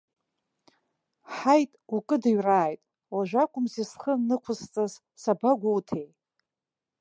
Ҳаи, укыдыҩрааит, уажәакәымзи схы аннықәсыҵаз, сабагәоуҭеи!